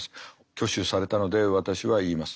挙手されたので私は言います。